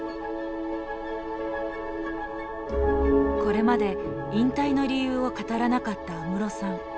これまで引退の理由を語らなかった安室さん。